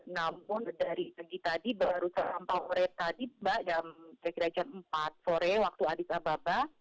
namun dari pagi tadi baru sampai sore tadi mbak yang saya kira yang empat sore waktu adis ababa